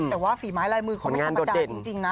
แต่ว่าฝีไม้ลายมือเขาไม่ธรรมดาจริงนะ